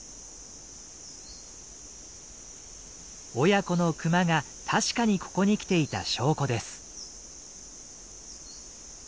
親子のクマが確かにここに来ていた証拠です。